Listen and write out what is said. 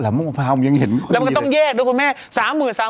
แล้วก็ต้องเียกด้วยหมาภาษาคุณแม่